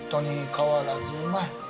変わらずうまい。